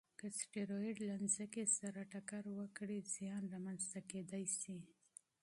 که اسټروېډ له ځمکې سره ټکر وکړي، زیان رامنځته کېدای شي.